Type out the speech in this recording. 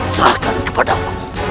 serahkan kepada aku